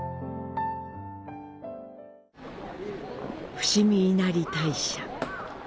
伏見稲荷大社。